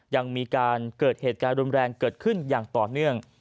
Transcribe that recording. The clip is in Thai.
ยังมีเกิดเหตุการณ์รุมแรงเกิดขึ้นต่อเนื่อง